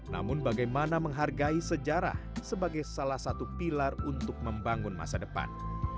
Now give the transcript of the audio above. namun bagaimana menghargai sejarah sebagai salah satu pilar untuk membangun masa depan